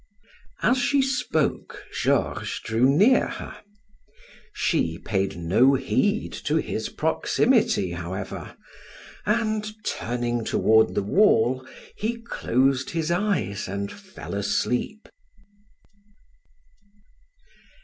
As she spoke Georges drew near her; she paid no heed to his proximity, however, and turning toward the wall, he closed his eyes and fell asleep.